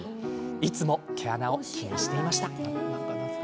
いつも毛穴を気にしていました。